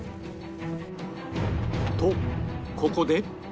とここで